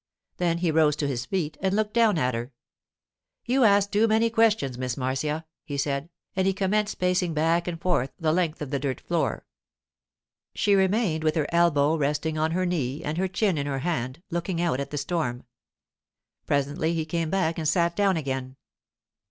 Then he rose to his feet and looked down at her. 'You ask too many questions, Miss Marcia,' he said, and he commenced pacing back and forth the length of the dirt floor. She remained with her elbow resting on her knee and her chin in her hand, looking out at the storm. Presently he came back and sat down again.